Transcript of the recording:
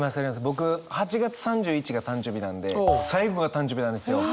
僕８月３１が誕生日なんで最後が誕生日なんですよ。